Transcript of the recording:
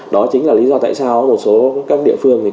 đó chính là lý do tại sao một số các địa phương thì có